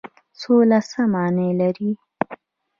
سوله څه معنی لري؟